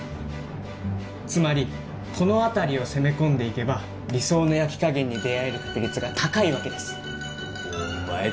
つまりこのあたりを攻め込んでいけば理想の焼き加減に出会える確率が高いわけですお前